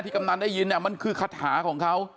ที่กำนันได้ยินเนี้ยมันคือคัทหาของเขา